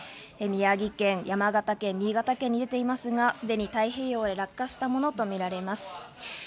宮城県、山形県、新潟県に出ていますが、すでに太平洋へ落下したものとみられます。